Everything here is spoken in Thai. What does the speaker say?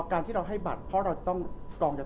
เขาไม่ได้ผลเลยครับ